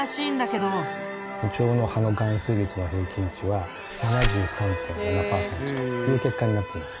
イチョウの葉の含水率の平均値は７３．７パーセントという結果になっています。